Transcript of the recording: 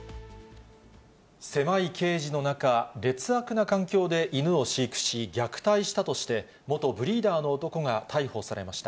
狭いケージの中、劣悪な環境で犬を飼育し、虐待したとして、元ブリーダーの男が逮捕されました。